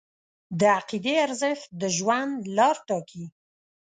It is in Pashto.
د عقیدې ارزښت د ژوند لار ټاکي.